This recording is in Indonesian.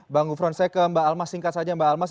bang gufron saya ke mbak almas singkat saja mbak almas